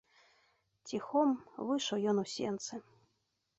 Ціхом выйшаў ён у сенцы.